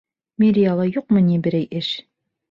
Мэрияла юҡмы ни берәй эш?